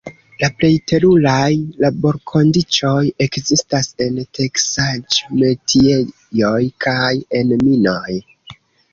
La plej teruraj laborkondiĉoj ekzistas en teksaĵ-metiejoj kaj en minoj.